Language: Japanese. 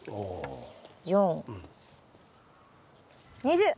２０！